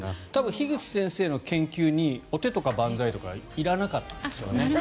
樋口先生の研究にお手とか万歳はいらなかったんでしょうね。